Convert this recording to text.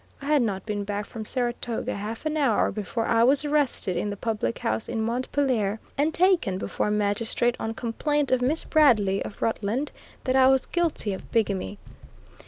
I had not been back from Saratoga half an hour before I was arrested in the public house in Montpelier and taken before a magistrate, on complaint of Miss Bradley, of Rutland, that I was guilty of bigamy.